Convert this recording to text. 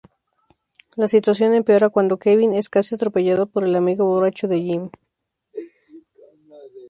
La situación empeora cuando Kevin es casi atropellado por el amigo borracho de Jim.